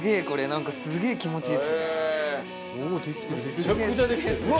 なんかすげえ気持ちいいっすね。